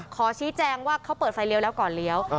ขอชี้แจงว่าเขาเปิดไฟเลี้ยวแล้วก่อนเลี้ยว